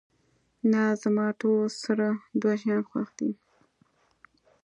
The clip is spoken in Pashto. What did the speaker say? نه، زما ټول سره دوه شیان خوښ دي.